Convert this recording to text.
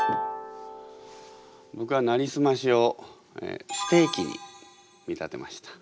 僕は「なりすまし」をステーキに見立てました。